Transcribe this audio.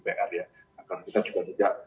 pr ya kalau kita juga tidak